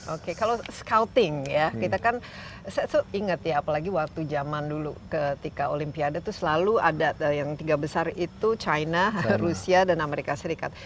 oke kalau scouting ya kita kan saya ingat ya apalagi waktu zaman dulu ketika olimpiade itu selalu ada yang tiga besar itu china rusia dan amerika serikat